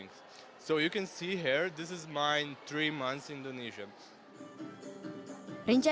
jadi kamu bisa lihat di sini ini indonesia selama tiga bulan